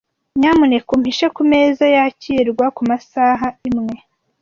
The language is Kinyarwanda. Nyamuneka umpishe kumeza yakirwa kumasaha imwe.